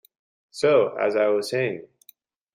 So, as I was saying.